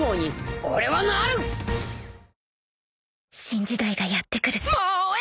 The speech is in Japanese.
新時代がやって来る。